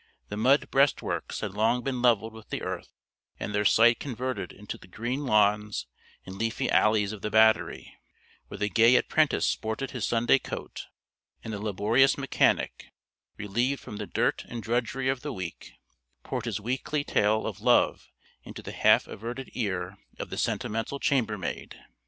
The mud breastworks had long been leveled with the earth, and their site converted into the green lawns and leafy alleys of the battery, where the gay apprentice sported his Sunday coat, and the laborious mechanic, relieved from the dirt and drudgery of the week, poured his weekly tale of love into the half averted ear of the sentimental chambermaid.